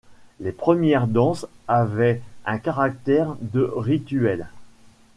Les premières danses avaient un caractère de rituel.